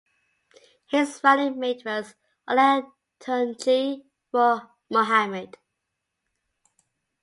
His running mate was Olatunji Mohammed.